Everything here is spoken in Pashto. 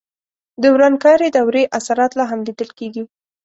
د ورانکارې دورې اثرات لا هم لیدل کېدل.